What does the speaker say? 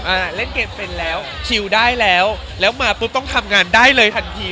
อ่าเล่นเกมเป็นแล้วชิวได้แล้วแล้วมาปุ๊บต้องทำงานได้เลยทันที